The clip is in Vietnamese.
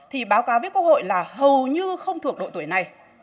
thì báo cáo với quốc hội là hầu như không thuộc độ tuổi này